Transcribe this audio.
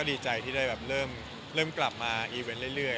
ดีใจที่เริ่มกลับมาเอเว้นต์เรื่อย